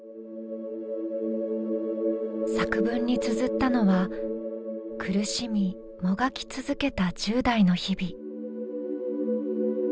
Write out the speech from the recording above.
作文につづったのは苦しみもがき続けた１０代の日々。